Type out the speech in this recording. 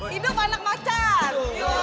hidup anak macan